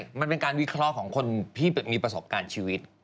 มันเป็นการวิเคราะห์ของคนที่มีประสบการณ์ชีวิต